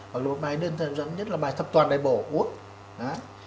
hoặc là một bài đơn giản nhất là bài thập toàn đại bộ uống